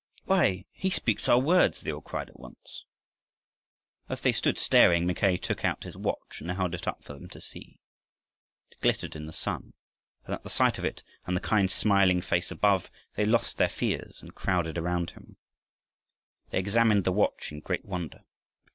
"Why, he speaks our words!" they all cried at once. As they stood staring, Mackay took out his watch and held it up for them to see. It glittered in the sun, and at the sight of it and the kind smiling face above, they lost their fears and crowded around him. They examined the watch in great wonder.